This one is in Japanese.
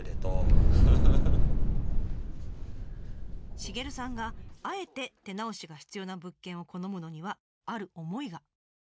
シゲルさんがあえて手直しが必要な物件を好むのにはある思いが。